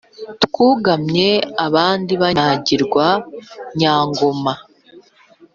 twugamye abandi banyagirwa, nyangoma,